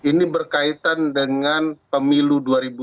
ini berkaitan dengan pemilu dua ribu dua puluh